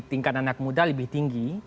tingkat anak muda lebih tinggi